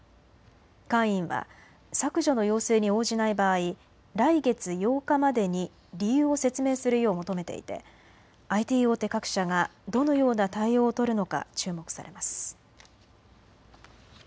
カー委員は削除の要請に応じない場合、来月８日までに理由を説明するよう求めていてＩＴ大手各社がどのような対応を取るのか注目されます。